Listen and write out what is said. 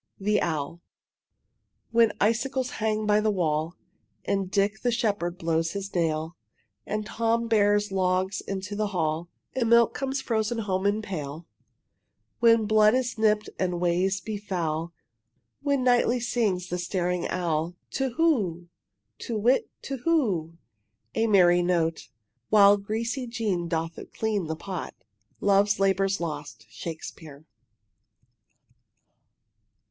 THE OWL When icicles hang by the wall, And Dick the shepherd blows his nail, And Tom bears logs into the hall, And milk comes frozen home in pail; When blood is nipped and ways be foul, Then nightly sings the staring owl, "Tu who! Tu whit! tu who!" a merry note, While greasy Jean doth clean the pot. "Love's Labour's Lost," Shakespeare.